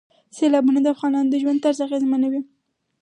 سیلابونه د افغانانو د ژوند طرز اغېزمنوي.